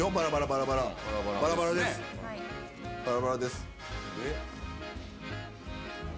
バラバラです。